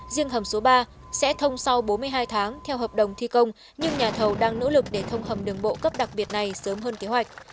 riêng hầm số ba sẽ thông sau bốn mươi hai tháng theo hợp đồng thi công nhưng nhà thầu đang nỗ lực để thông hầm đường bộ cấp đặc biệt này sớm hơn kế hoạch